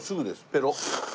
ペロッ。